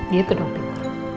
iya itu dong